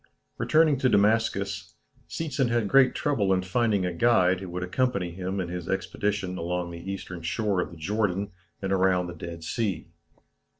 Returning to Damascus, Seetzen had great trouble in finding a guide who would accompany him in his expedition along the eastern shore of the Jordan, and around the Dead Sea.